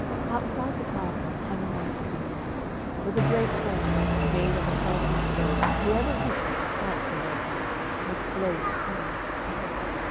Outside the castle, hanging on a sycamore tree, was a great horn, made of an elephant's bone, and whoever wished to fight the Red Knight must blow this horn.